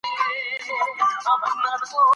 او د شاعر د شعر پیغام څه شی دی؟.